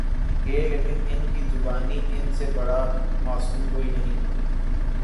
گے لیکن ان کی زبانی ان سے بڑا معصوم کوئی نہیں۔